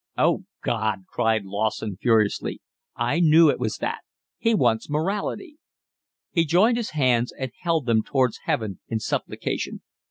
"Oh God!" cried Lawson furiously. "I knew it was that. He wants morality." He joined his hands and held them towards heaven in supplication.